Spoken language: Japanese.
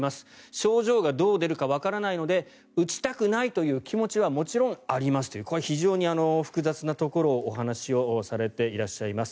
症状がどう出るかわからないので打ちたくないという気持ちはもちろんありますというこれは非常に複雑なところをお話しされています。